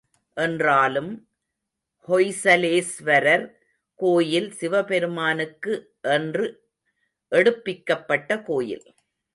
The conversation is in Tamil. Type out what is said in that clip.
என்றாலும் ஹொய்சலேஸ்வரர் கோயில் சிவபெருமானுக்கு என்று எடுப்பிக்கப்பட்ட கோயில்.